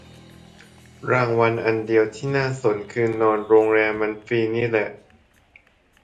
รางวัลอันเดียวที่น่าสนคือนอนโรงแรมมันฟรีนี่แหละ